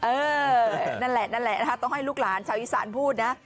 เออนั่นแหละต้องให้ลูกหลานชาวอีสานพูดนะ